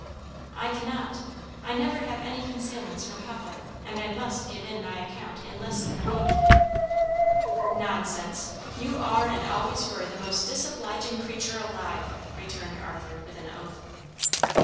"I cannot; I never have any concealments from papa, and I must give in my account in less than a week." "Nonsense! You are and always were the most disobliging creature alive!" returned Arthur with an oath.